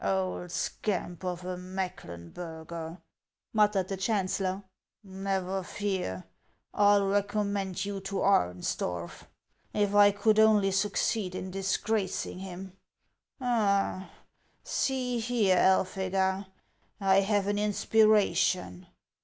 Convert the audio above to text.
"Old scamp of a Mecklenburger !" muttered the chan cellor ;" never fear, I '11 recommend you to Areusdorf. If I could only succeed in disgracing him ! Ah ! see here, Elphega, I have an inspiration."